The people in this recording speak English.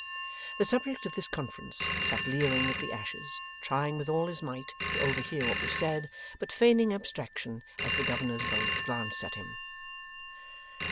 The subject of this conference sat leering at the ashes, trying with all his might to overhear what was said, but feigning abstraction as the 'Governors Both' glanced at him.